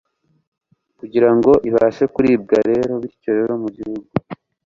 kugira ngo ibashe kuribwa Bityo rero mu bihugu